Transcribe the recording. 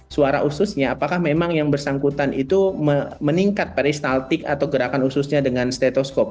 suara ususnya apakah memang yang bersangkutan itu meningkat peristaltik atau gerakan ususnya dengan stetoskop